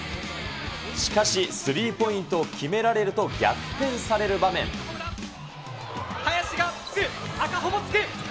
しかし、スリーポイントを決めら林がつく、赤穂もつく。